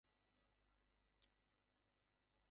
আমি তোমার মত কাউকে আগে দেখিনি।